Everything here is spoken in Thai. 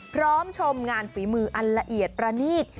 ชมงานฝีมืออันละเอียดประณีต